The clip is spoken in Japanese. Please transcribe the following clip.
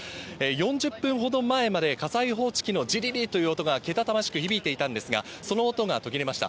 ４０分ほど前まで火災報知機のじりりという音がけたたましく響いていたんですが、その音が途切れました。